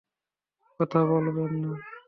কথা বলবেন না।